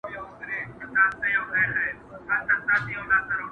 خدای مهربان دی دا روژه په ما تولو ارزي,